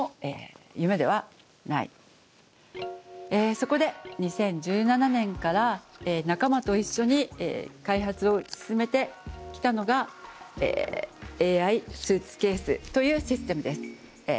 そこで２０１７年から仲間と一緒に開発を進めてきたのがＡＩスーツケースというシステムです。